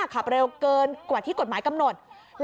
ขับเร็วเกินกว่าที่กฎหมายกำหนด